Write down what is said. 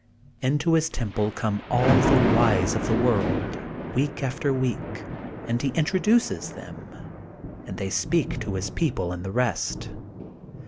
Into his temple come all the wise of the world, week after week, and he introduces them, and they speak to his people and the rest.